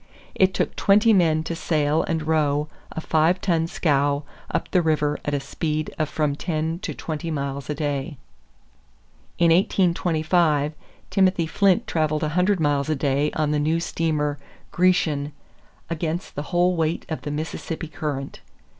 It took twenty men to sail and row a five ton scow up the river at a speed of from ten to twenty miles a day. In 1825, Timothy Flint traveled a hundred miles a day on the new steamer Grecian "against the whole weight of the Mississippi current."